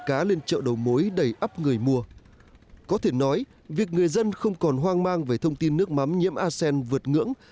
có thể nói việc người dân không còn hoang mang về thông tin nước mắm nhiễm arsen vượt ngưỡng